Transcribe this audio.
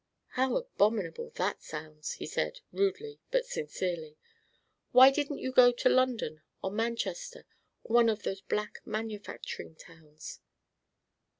"How abominable that sounds!" he said, rudely but sincerely. "Why didn't you go to London, or Manchester, or one of those black manufacturing towns?"